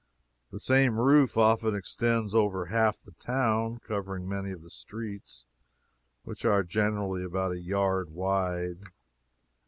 The same roof often extends over half the town, covering many of the streets, which are generally about a yard wide.